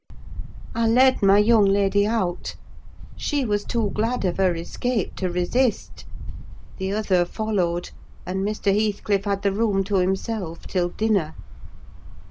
I led my young lady out: she was too glad of her escape to resist; the other followed, and Mr. Heathcliff had the room to himself till dinner.